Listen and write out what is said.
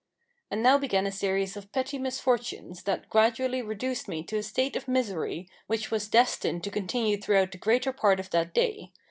And now began a series of petty misfortunes that gradually reduced me to a state of misery which was destined to continue throughout the greater part of that day.